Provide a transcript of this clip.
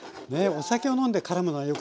お酒を飲んで絡むのはよくない。